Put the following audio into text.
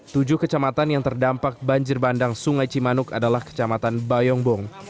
tujuh kecamatan yang terdampak banjir bandang sungai cimanuk adalah kecamatan bayongbong